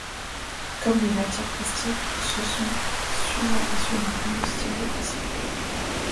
Comme les matières plastiques, ils sont souvent issus d’un combustible fossile.